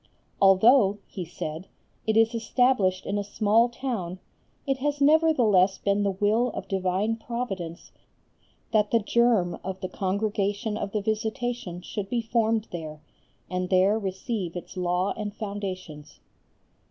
"Although," he said, "it is established in a small town, it has nevertheless been the will of divine Providence that the germ of the Congregation of the Visitation should be formed there, and there receive its law and foundations."